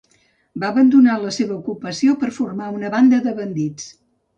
Va abandonar la seva ocupació per formar una banda de bandits.